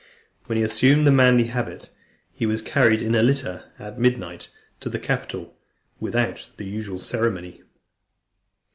When he assumed the manly habit, he was carried in a litter, at midnight, to the Capitol, without the usual ceremony.